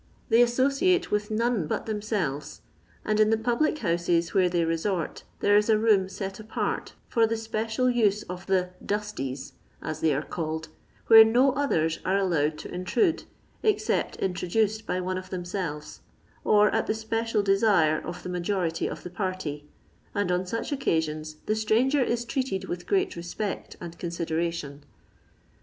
They associate with none but them selves; and in the public houses where they resort there is a room set apart for the special use of the " dusties/' ns they are called, where no others are allowed to intrude, except introduced by one of themselves, or at the special desire of the majority of the party, and on such occasions the stranger is treated with great respect and consideration.